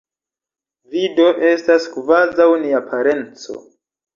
Vi do estas kvazaŭ nia parenco.